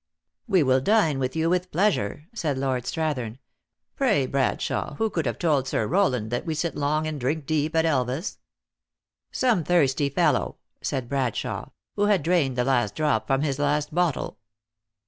" We will dine with you with pleasure," said Lord Strathern. " Pray, Bradshawe, who could have told Sir Rowland that we sit long and drink deep at Elvas?" " Some thirsty fellow," said Bradshawe, " who had drained the last drop from his last bottle."